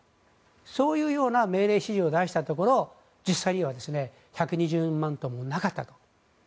そういう命令指示を出したところ実際には１２０万トンもなかったと。